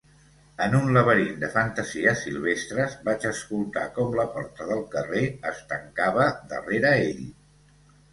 En un laberint de fantasies silvestres vaig escoltar com la porta del carrer es tancava darrera ell.